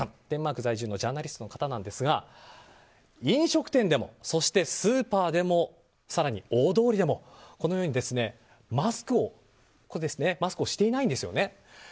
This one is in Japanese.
デンマーク在住のジャーナリストの方ですが飲食店でも、スーパーでも更に大通りでもこのようにマスクをしていないんですよね。